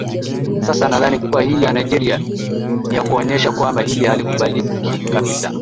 sasa nadhani kuwa hii ya nigeria niyakuonyesha kwamba hili halikubaliki kabisa